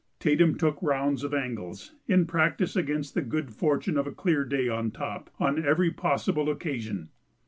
Tatum took rounds of angles, in practice against the good fortune of a clear day on top, on every possible occasion.